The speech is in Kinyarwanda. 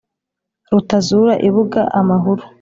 rutazura ibuga amahuru,